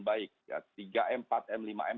baik tiga m empat m lima m